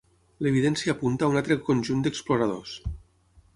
L'evidència apunta a un altre conjunt d'exploradors.